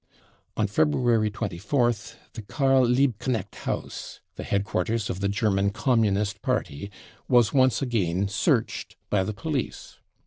On February 24th the Karl Liebknecht House, the headquarters of the German Communist Party, was once again searched by the police.